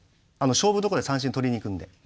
勝負どころで三振とりにいくんで。